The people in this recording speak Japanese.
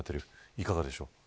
いかがでしょうか。